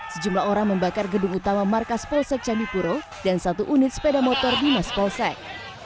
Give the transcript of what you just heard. sejumlah orang membakar gedung utama markas polsek candipuro dan satu unit sepeda motor di mas polsek